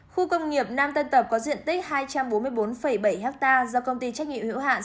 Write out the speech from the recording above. khu công nghiệp nam tân tập có diện tích hai trăm bốn mươi bốn bảy ha do công ty trách nhiệm hữu hạn